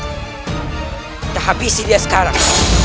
kita habisi dia sekarang